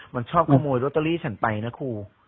มันชอบขโมยโรตเตอรี่ฉันไปนะครู